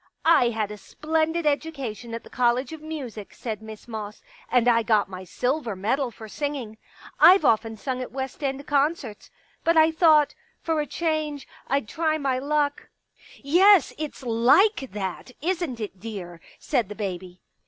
" I had a splendid education at the College of Music," said Miss Moss, " and I got my silver medal for singing. I've often sung at West End concerts. But I thought, for a change, I'd try my luck ..."" Yes, it's like that, isn't it, dear ?" said the baby.